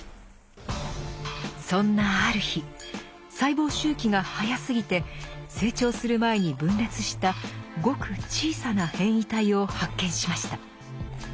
そんなある日細胞周期が速すぎて成長する前に分裂したごく小さな変異体を発見しました。